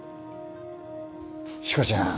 しこちゃん